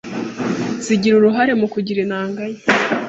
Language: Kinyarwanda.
zigira uruhare mu kugira intanga nke